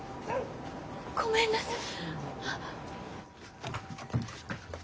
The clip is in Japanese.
ごめんなさい。